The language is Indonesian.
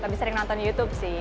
tapi sering nonton youtube sih